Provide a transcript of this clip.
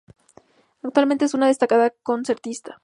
Actualmente es una destacada concertista.